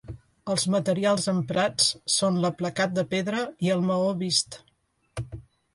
Els materials emprats són l'aplacat de pedra i el maó vist.